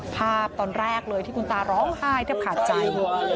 ภาพตอนแรกเลยที่คุณตาร้องไห้แทบขาดใจ